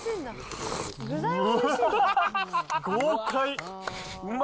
豪快。